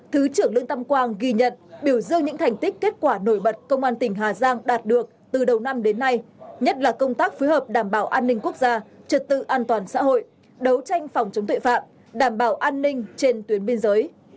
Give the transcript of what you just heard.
thứ trưởng lương tâm quang ghi nhận biểu dương những thành tích kết quả nổi bật công an tỉnh hà giang đạt được từ đầu năm đến nay nhất là công tác phối hợp đảm bảo an ninh quốc gia trật tự an toàn xã hội đấu tranh phòng chống tội phạm đảm bảo an ninh trên tuyến biên giới